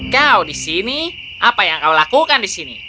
kau di sini apa yang kau lakukan di sini